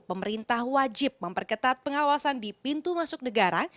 pemerintah wajib memperketat pengawasan di pintu masuk negara